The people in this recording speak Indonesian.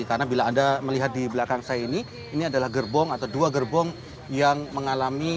karena bila anda melihat di belakang saya ini ini adalah gerbong atau dua gerbong yang mengalami